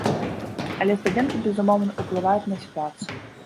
Але студэнты, безумоўна, уплываюць на сітуацыю.